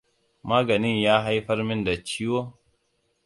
Maganin ya haifar min da ciwo?